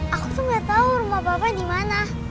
aku tuh gak tahu rumah bapak di mana